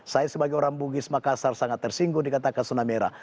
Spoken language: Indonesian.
saya sebagai orang bugis makassar sangat tersinggung dikatakan zona merah